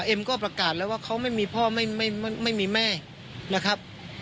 เอ็มก็ประกาศแล้วว่าเขาไม่มีพ่อไม่มีแม่นะครับ